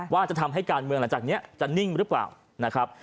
ว่าจะทำให้การเมืองหลังจากนี้จะนิ่งหรือเปล่านะครับ